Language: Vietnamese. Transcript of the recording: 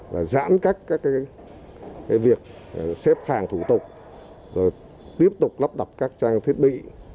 và giãn cách các việc xếp hàng thủ tục tiếp tục lắp đập các trang thiết bị